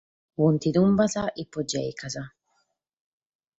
Sunt tumbas ipogèicas.